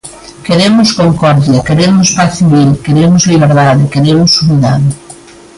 Queremos concordia, queremos paz civil, queremos liberdade, queremos unidade.